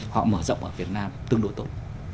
họ mở rộng ở việt nam tương đối tốt